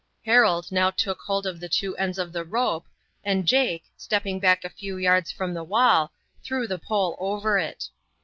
Harold now took hold of the two ends of the rope, and Jake, stepping back a few yards from the wall, threw the pole over it.